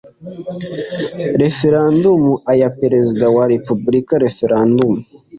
referendumu aya perezida wa repubulika referendum